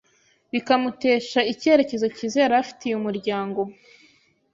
bikamutesha icyerekezo cyiza yari afitiye umuryango.